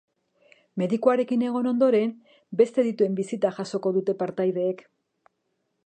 Medikuarekin egon ondoren, beste adituen bisita jasoko dute partaideek.